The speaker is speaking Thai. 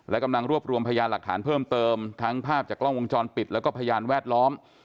และกำลังรวบรวมพยานหลักฐานเพิ่มเติมทั้งภาพจากกล้องวงจรปิดแล้วก็พยานแวดล้อม